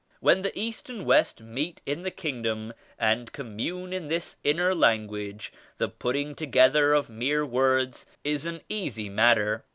When the East and West meet in the Kingdom and commune in this inner language, the putting together of mere words is an easy matter.